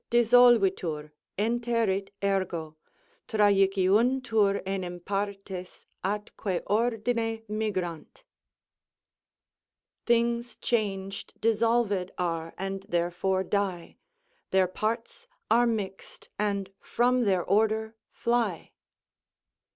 dissolvitur; interit ergo; Trajiciuntur enim partes, atque ordine migrant. "Things changed dissolved are, and therefore die; Their parts are mix'd, and from their order fly."